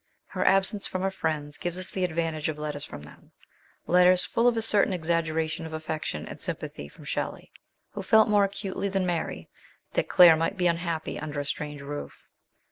Her absence from her friends gives us the advantage of letters from them, letters full of a certain exaggeration of affection and sympathy from Shelley, who felt more acutely than Mary that Claire might be unhappy under a strange roof.